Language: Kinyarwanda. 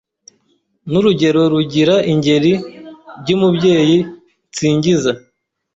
N'urugero rugira ingeri By'Umubyeyi nsingiza.